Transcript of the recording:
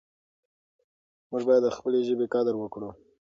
موږ باید د خپلې ژبې قدر وکړو.